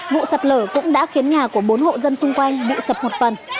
vụ sạt lở cũng đã khiến nhà của bốn hộ dân xung quanh bị sập một phần